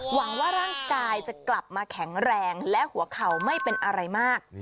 หวังว่าร่างกายจะกลับมาแข็งแรงและหัวเข่าไม่เป็นอะไรมาก